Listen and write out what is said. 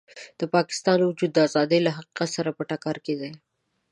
د پاکستان وجود د ازادۍ له حقیقت سره په ټکر کې دی.